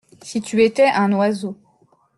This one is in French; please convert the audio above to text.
Si tu étais un oiseau.